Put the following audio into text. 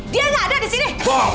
dia nggak ada di sini